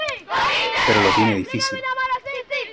Pero lo tiene difícil.